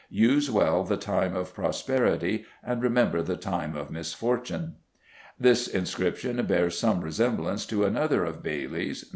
Use well the tyme of prosperite, ande remember the tyme of misfortewn." This inscription bears some resemblance to another of Bailly's (No.